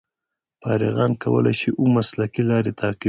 فارغان کولای شي اوه مسلکي لارې تعقیب کړي.